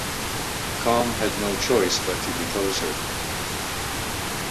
Cong had no choice but to depose her.